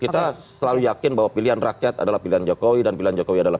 kita selalu yakin bahwa pilihan rakyat adalah pilihan jokowi dan pilihan jokowi adalah